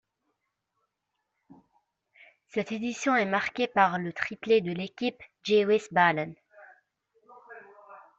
Cette édition est marquée par le triplé de l'équipe Gewiss-Ballan.